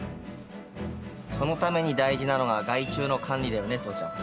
そのために大事なのが害虫の管理だよね父ちゃん。